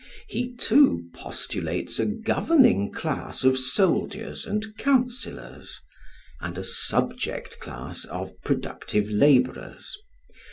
He, too, postulates a governing class of soldiers and councillors, and a subject class of productive labourers.